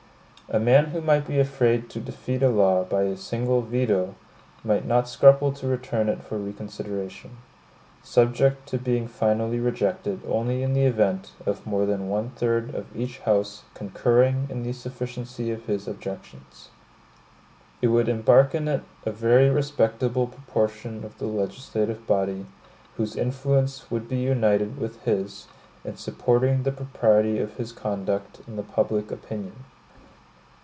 A man who might be afraid to defeat a law by his single VETO, might not scruple to return it for reconsideration; subject to being finally rejected only in the event of more than one third of each house concurring in the sufficiency of his objections. He would be encouraged by the reflection, that if his opposition should prevail, it would embark in it a very respectable proportion of the legislative body, whose influence would be united with his in supporting the propriety of his conduct in the public opinion.